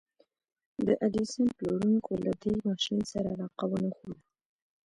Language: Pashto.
د ايډېسن پلورونکو له دې ماشين سره علاقه ونه ښوده.